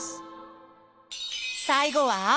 最後は？